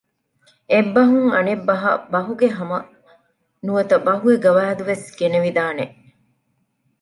އެއްބަހުން އަނެއް ބަހަށް ބަހުގެހަމަ ނުވަތަ ބަހުގެ ގަވާއިދު ވެސް ގެނެވިދާނެ